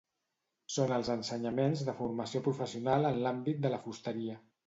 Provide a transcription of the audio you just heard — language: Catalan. Són els ensenyaments de formació professional en l'àmbit de la fusteria.